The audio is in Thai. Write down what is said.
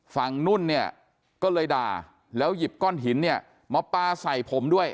นุ่นเนี่ยก็เลยด่าแล้วหยิบก้อนหินเนี่ยมาปลาใส่ผมด้วย